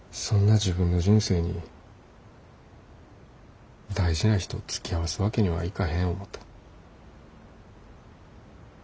そんな自分の人生に大事な人つきあわすわけにはいかへん思た。